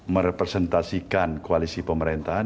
merepresentasikan koalisi pemerintahan